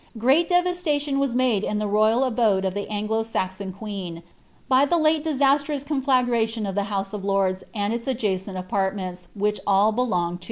Great devastation was made in the royal abode of ibt .4riE; lo Saion queen, by the late disasirnue conflagration of t' " of Xiorda and its adjacent apartments, which all belonged to it.